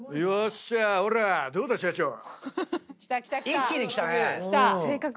一気にきたね。